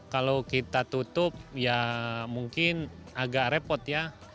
kalau kita tutup ya mungkin agak repot ya